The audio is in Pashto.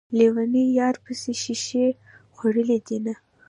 ليونی يار پسې شيشې خوړلي دينه